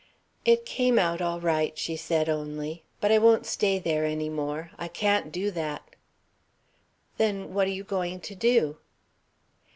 "It came out all right," she said only. "But I won't stay there any more. I can't do that." "Then what are you going to do?"